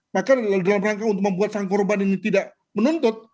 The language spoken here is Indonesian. maka dalam rangka untuk membuat sang korban ini tidak menuntut